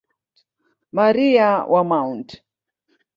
Maria wa Mt.